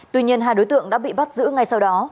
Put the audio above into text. tuy nhiên hai đối tượng đã bị bắt giữ ngay sau đó